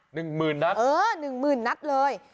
๑หมื่นนัดเออ๑หมื่นนัดเลย